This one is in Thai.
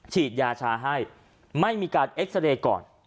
ฉีดยาชาให้ไม่มีการเอ็กซาเรย์ก่อน